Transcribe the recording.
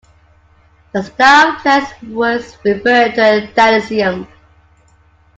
The style of dress was referred to as dandyism.